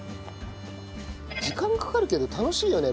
時間かかるけど楽しいよね